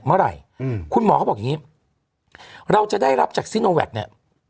เมื่อไหร่อืมคุณหมอเขาบอกอย่างนี้เราจะได้รับจากซิโนแวคเนี่ย